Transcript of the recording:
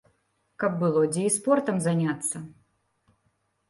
Каб было дзе і спортам заняцца.